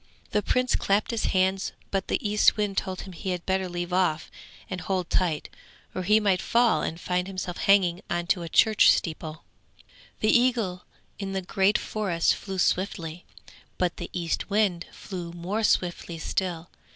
The Prince clapped his hands, but the Eastwind told him he had better leave off and hold tight, or he might fall and find himself hanging on to a church steeple. The eagle in the great forest flew swiftly, but the Eastwind flew more swiftly still.